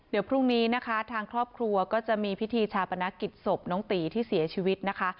เดี๋ยวพรุ่งนี้นะคะทางครอบครัวก็จะมีพิธีชาปนกิจศพน้องตีที่เสียชีวิตนะคะ